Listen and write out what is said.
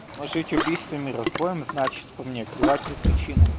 – Но жить убийством и разбоем значит, по мне, клевать мертвечину.